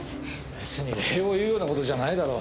別に礼を言うような事じゃないだろ。